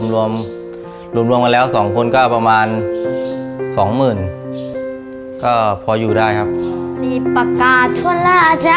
รวมรวมมาแล้ว๒คนก็ประมาณ๒หมื่นก็พออยู่ได้ครับ